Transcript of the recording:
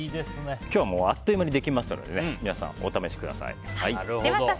今日はあっという間にできますので皆さんお試しください。